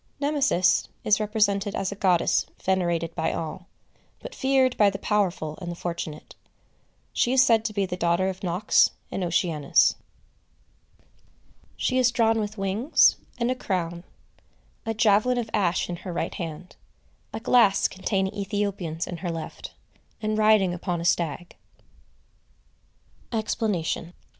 Nemesis is represented as a goddess venerated by all, but feared by the powerful and the fortunate. She is said to be the daughter of Nox and Oceanus. She is drawn with wings, and a crown; a javelin of ash in her right hand; a glass containing Ethiopians in her left; and riding upon a stag. EXPLANATION.